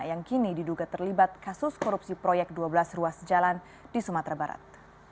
yang kini diduga terlibat kasus korupsi proyek dua belas ruas jalan di sumatera barat